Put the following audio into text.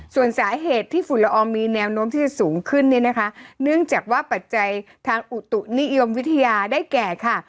ส่วนสาเหตุที่ฝุ่นละอองมีแนวโน้มที่จะสูงขึ้นเนี่ยนะคะเนื่องจากว่าปัจจัยทางอุตุนิยมวิทยาได้แก่ค่ะ